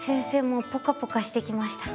もうポカポカしてきました。